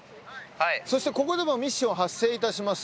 そしてここでもミッション発生いたします。